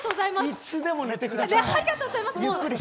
いつでも寝てください。